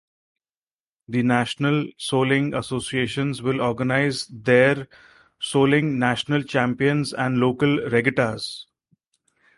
The National Soling Associations will organize there Soling National Champions and local regattas.